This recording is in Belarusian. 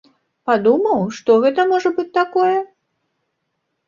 Падумаў, што гэта можа быць такое?